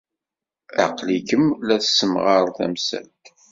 Aql-ikem la tessemɣared tamsalt.